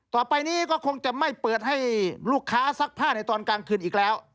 ต่อไปนี้ก็คงจะไม่เปิดให้ลูกค้าซักผ้าในตอนกลางคืนอีกแล้ว